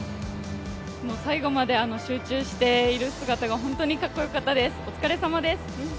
最後まで集中している姿が本当にかっこよかったです、お疲れさまです。